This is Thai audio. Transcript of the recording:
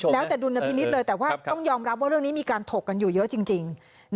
แล้วแต่ดุลพินิษฐ์เลยแต่ว่าต้องยอมรับว่าเรื่องนี้มีการถกกันอยู่เยอะจริง